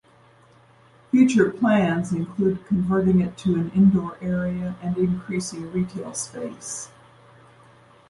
Future plans include converting it to an indoor area and increasing retail space.